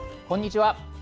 こんにちは。